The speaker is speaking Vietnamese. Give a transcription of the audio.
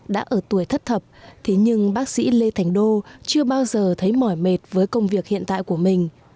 đã ở tuổi thất thập thế nhưng bác sĩ lê thành đô chưa bao giờ thấy mỏi mệt với công việc hiện tại của mình